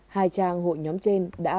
hai trang hội nhóm trên đã